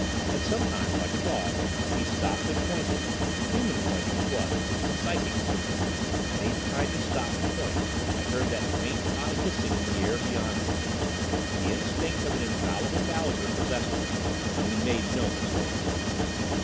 And sometimes, like a dog, he stopped and pointed—human pointing it was, psychic pointing, and each time he stopped to point I heard that faint high hissing in the air beyond us. The instinct of an infallible dowser possessed him, and he made no mistakes.